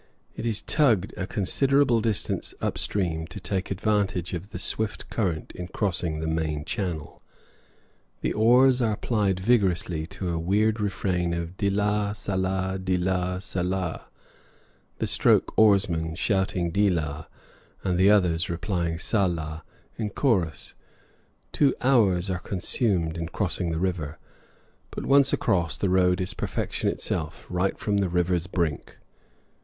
It is tugged a considerable distance up stream, to take advantage of the swift current in crossing the main channel. The oars are plied vigorously to a weird refrain of "deelah, sahlah deelah, sahlah!" the stroke oarsman shouting "deelah" and the others replying "sahlah" in chorus. Two hours are consumed in crossing the river, but once across the road is perfection itself, right from the river's brink.